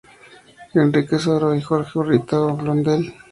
Enrique Soro y Jorge Urrutia Blondel.